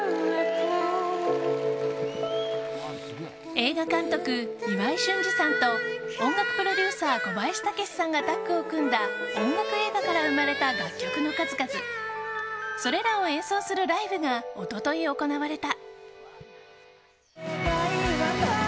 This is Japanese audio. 映画監督・岩井俊二さんと音楽プロデューサー小林武史さんがタッグを組んだ音楽映画から生まれた楽曲の数々それらを演奏するライブが一昨日、行われた。